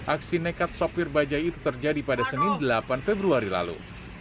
aksi nekat sopir bajai itu terjadi pada senin delapan februari lalu